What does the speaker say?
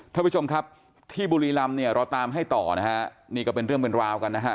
ท่านผู้ชมครับที่บุรีรำเนี่ยเราตามให้ต่อนะฮะนี่ก็เป็นเรื่องเป็นราวกันนะฮะ